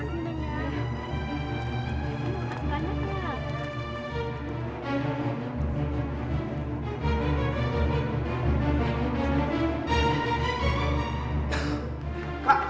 ini ototnya kak